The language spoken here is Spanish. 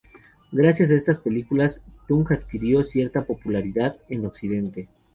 Gracias a estas películas Tung adquirió cierta popularidad en Occidente.